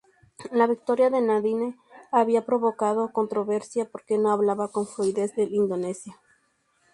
La victoria de Nadine había provocado controversia porque no hablaba con fluidez el indonesio.